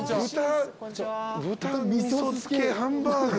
豚味噌漬けハンバーグ。